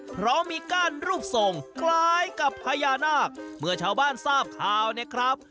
เพราะมีก้านรูปทรงคล้ายกับพญานาคเมื่อชาวบ้านทราบข่าวเนี่ยครับ